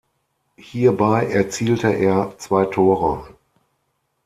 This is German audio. Hierbei erzielte er zwei Tore.